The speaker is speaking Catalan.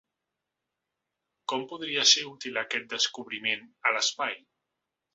Com podria ser útil aquest descobriment a l’espai?